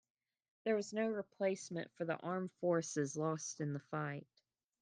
There was no replacement for armed forces lost in the fight.